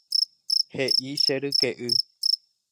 He'i che ryke'y